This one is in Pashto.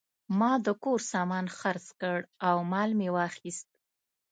ما د کور سامان خرڅ کړ او مال مې واخیست.